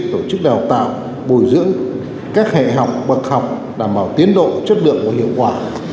tổ chức đào tạo bồi dưỡng các hệ học bậc học đảm bảo tiến độ chất lượng và hiệu quả